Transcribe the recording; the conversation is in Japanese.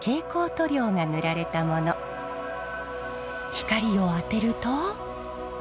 光を当てると。